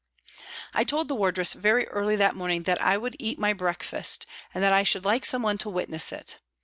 I told the wardress very early that morning that I would eat my breakfast, and that I should like someone to witness it.